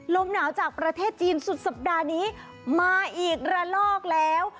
ลมหนาวจากประเทศจีนสุดสัปดาห์นี้มาอีกระลอกแล้ว